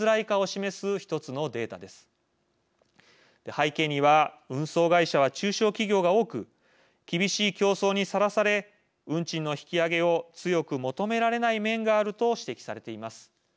背景には運送会社は中小企業が多く厳しい競争にさらされ運賃の引き上げを強く求められない面があると指摘されています。